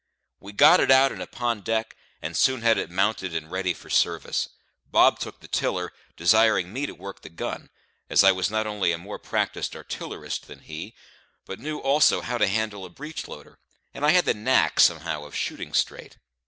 We got it out and upon deck, and soon had it mounted and ready for service. Bob took the tiller, desiring me to work the gun, as I was not only a more practised artillerist than he, but knew also how to handle a breech loader, and I had the knack somehow of shooting straight.